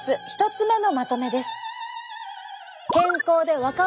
１つ目のまとめです。